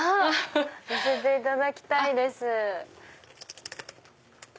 見せていただきたいです。